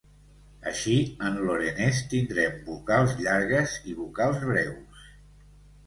Així, en lorenès tindrem vocals llargues i vocals breus.